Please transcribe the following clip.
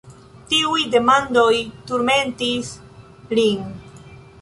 Tiuj demandoj turmentis lin.